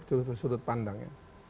terus sudut pandang ya